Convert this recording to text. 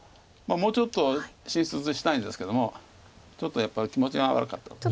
もうちょっと進出したいんですけどもちょっとやっぱり気持ちが悪かった。